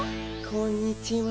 こんにちは。